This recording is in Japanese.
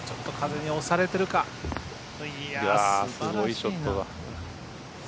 いや、すごいショットだ。